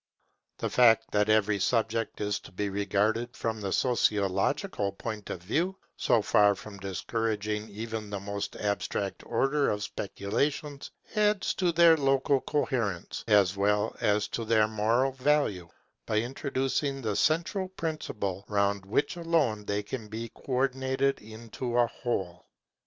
The fact that every subject is to be regarded from the sociological point of view, so far from discouraging even the most abstract order of speculations, adds to their logical coherence as well as to their moral value, by introducing the central principle round which alone they can be co ordinated into a whole.